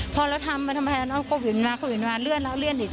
พอแล้วทำทำแพลนโควิดมาโควิดมาเลื่อนแล้วเลื่อน